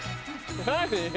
何？